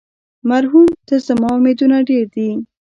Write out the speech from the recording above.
مرهون ته زما امیدونه ډېر دي.